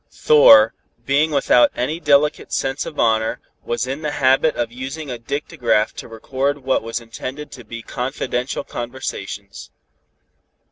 Thor, being without any delicate sense of honor, was in the habit of using a dictagraph to record what was intended to be confidential conversations.